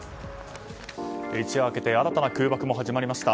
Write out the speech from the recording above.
一夜明けて新たな空爆も始まりました。